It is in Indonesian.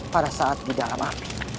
pada saat di dalam